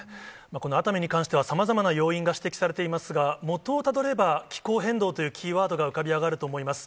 熱海に関しては、さまざまな要因が指摘されていますが、元をたどれば、気候変動というキーワードが浮かび上がると思います。